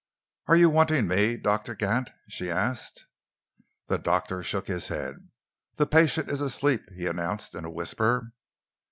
"Are you wanting me, Doctor Gant?" she asked. The doctor shook his head. "The patient is asleep," he announced in a whisper.